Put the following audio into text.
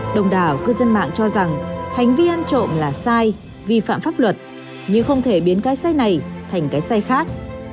đồng đảo cư dân mạng cho rằng hành vi ăn trộm là sai vi phạm pháp luật nhưng không thể biến cái sai này thành cái sai khác